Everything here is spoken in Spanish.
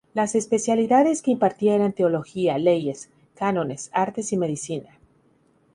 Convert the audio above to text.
Las especialidades que impartía eran Teología, Leyes, Cánones, Artes y Medicina.